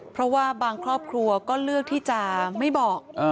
เพราะว่าบางครอบครัวก็เลือกที่จะไม่บอก